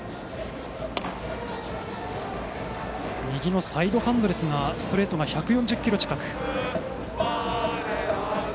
右のサイドハンドですがストレートが１４０キロ近く。